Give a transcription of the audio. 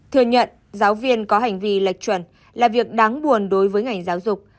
thừa nhận giáo viên có hành vi lệch chuẩn là việc đáng buồn đối với ngành giáo dục